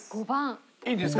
いいですか？